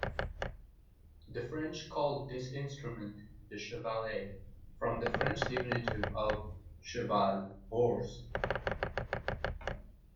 The French called this instrument the Chevalet, from the French diminutive of "cheval", horse.